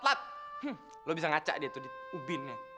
lo bisa ngaca deh tuh di ubinnya